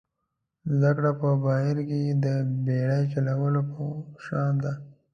زده کړه په بحیره کې د بېړۍ چلولو په شان ده.